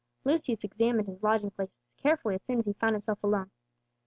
Lucius examined his lodging place carefully as soon as he found himself alone.